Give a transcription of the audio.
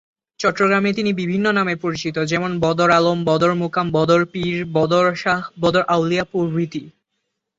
চট্টগ্রামে তিনি বিভিন্ন নামে পরিচিত যেমন- বদর আলম, বদর মোকাম, বদর পীর, বদর শাহ, বদর আউলিয়া প্রভৃতি।